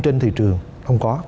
trên thị trường không có